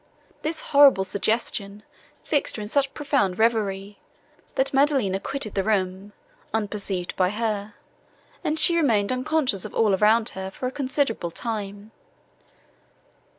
This horrible suggestion fixed her in such profound reverie, that Maddelina quitted the room, unperceived by her, and she remained unconscious of all around her, for a considerable time.